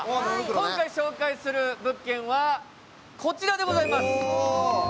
今回紹介する物件はこちらでございます。